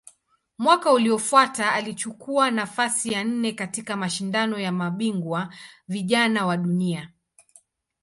Mwaka uliofuata alichukua nafasi ya nne katika Mashindano ya Mabingwa Vijana wa Dunia.